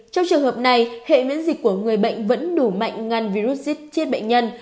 trong trường hợp này hệ miễn dịch của người bệnh vẫn đủ mạnh ngăn virus xiết bệnh nhân